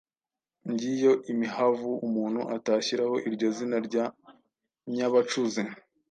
Ng'iyo imhavu umuntu atashyiraho iryo zina rya Nyabacuzi.